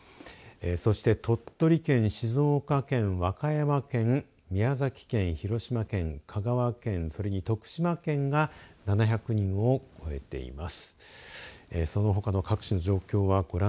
そして鳥取県、静岡県和歌山県、宮崎県広島県、香川県それに徳島県が７００人を超えています。